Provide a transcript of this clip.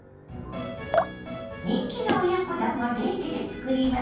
人気の親子丼をレンジで作ります。